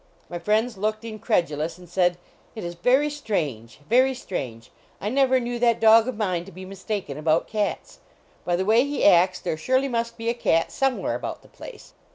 My friends looked incredulous, and said: "It is very strange; very strange. I never knew that dog of mine to be mistaken about cats. By the way he acts there surely must be a cat somewhere about the place."